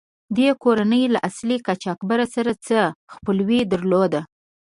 دې کورنۍ له اصلي قاچاقبر سره څه خپلوي درلوده.